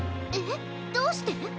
えっどうして？